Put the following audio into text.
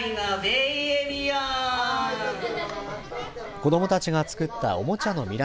子どもたちがつくったおもちゃの未来